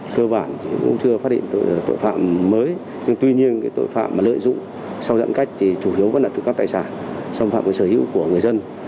cơ bản thì cũng chưa phát hiện tội phạm mới nhưng tuy nhiên cái tội phạm mà lợi dụng sau giãn cách thì chủ yếu vẫn là tội phạm tài sản